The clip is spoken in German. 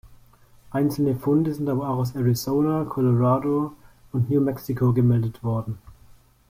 Einzelne Funde sind aber auch aus Arizona, Colorado und New Mexico gemeldet worden.